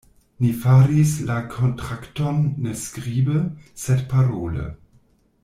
Ni faris la kontrakton ne skribe, sed parole.